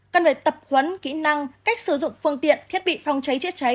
cần phải tập huấn kỹ năng cách sử dụng phương tiện thiết bị phòng cháy chữa cháy